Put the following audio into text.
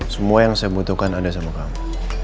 semua yang saya butuhkan ada sama kamu